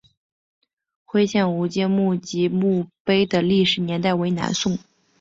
徽县吴玠墓及墓碑的历史年代为南宋。